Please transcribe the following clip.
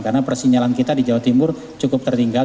karena persinyalan kita di jawa timur cukup tertinggal